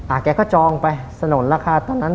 แกก็จองไปสนุนราคาตอนนั้น